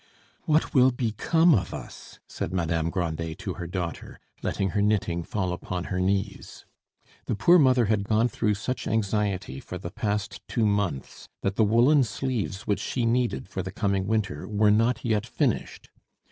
"What will become of us?" said Madame Grandet to her daughter, letting her knitting fall upon her knees. The poor mother had gone through such anxiety for the past two months that the woollen sleeves which she needed for the coming winter were not yet finished.